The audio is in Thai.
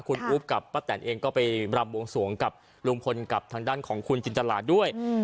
คุณอุ๊บกับป้าแตนเองก็ไปรำวงสวงกับลุงพลกับทางด้านของคุณจินตราด้วย